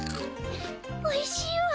おいしいわ」。